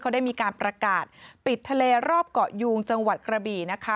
ได้มีการประกาศปิดทะเลรอบเกาะยูงจังหวัดกระบี่นะคะ